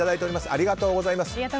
ありがとうございます。